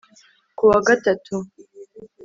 ku wa gatatu